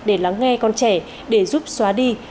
để lắng nghe con trẻ để giúp xóa đi